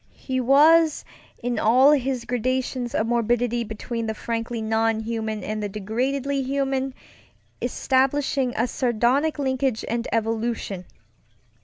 He was, in all his gradations of morbidity between the frankly non human and the degradedly human, establishing a sardonic linkage and evolution.